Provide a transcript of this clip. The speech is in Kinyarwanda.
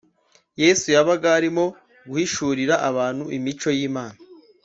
yesu yabaga arimo guhishurira abantu imico y’imana